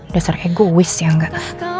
dasar egois ya enggak